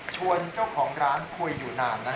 ชวนเจ้าของร้านคุยอยู่นาน